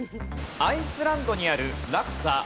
アイスランドにある落差